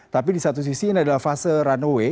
tapi di satu sisi ini adalah fase runway